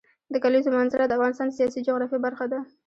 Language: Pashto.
د کلیزو منظره د افغانستان د سیاسي جغرافیه برخه ده.